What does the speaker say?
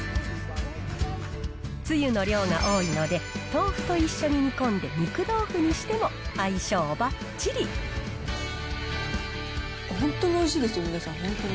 つゆの量が多いので、豆腐と一緒に煮込んで、ほんとにおいしいですよ、皆さん、本当に。